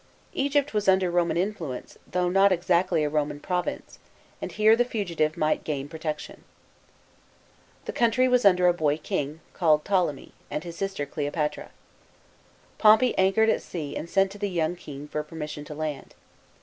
Egypt was under Roman influence, though not exactly a Roman province, and here the fugitive might gain pro tection. The country was under a boy king, called Ptolemy, and his sister Cleopatra. Pompey an chored at sea and sent to the }oung king for per mission to land.